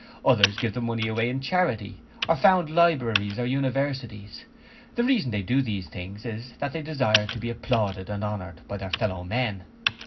Others give the money away in charity, or found libraries or universities. The reason they do these things is that they desire to be applauded and honoured by their fellow men.